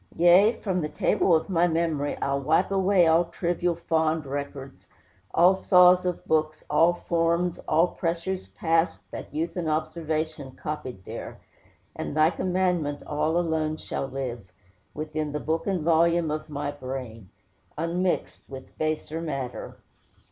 Yea, from the table of my memory I'll wipe away all trivial, fond records, All saws of books, all forms, all pressures past That youth and observation copied there, And thy commandment all alone shall live Within the book and volume of my brain, Unmixed with baser matter."